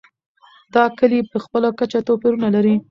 دا کلي په خپله کچه توپیرونه لري.